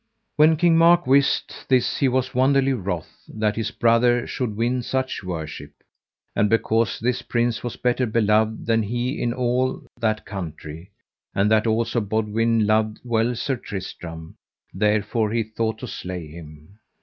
When King Mark wist this he was wonderly wroth that his brother should win such worship. And because this prince was better beloved than he in all that country, and that also Boudwin loved well Sir Tristram, therefore he thought to slay him.